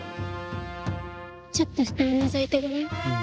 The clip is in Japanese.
ちょっと下をのぞいてごらん。